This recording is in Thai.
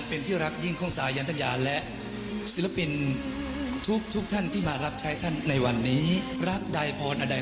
เป็นอีกหนึ่งเอกลักษณ์เฉพาะตัวที่แฟนจดจำได้ยังชัดเจน